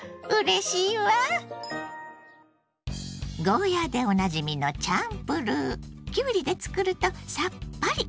ゴーヤーでおなじみのチャンプルーきゅうりでつくるとさっぱり！